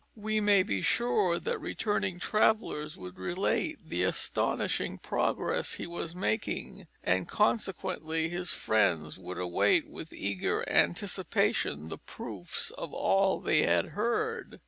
We may be sure that returning travellers would relate the astonishing progress he was making, and consequently his friends would await with eager anticipation the proofs of all they had heard.